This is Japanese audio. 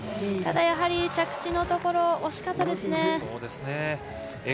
ただ、着地のところ惜しかったですね。